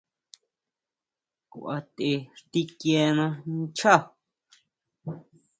Kʼua te xtikiena nchaá.